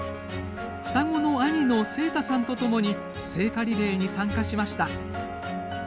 双子の兄の晴太さんとともに聖火リレーに参加しました。